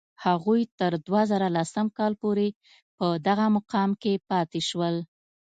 هغوی تر دوه زره لسم کال پورې په دغه مقام کې پاتې شول.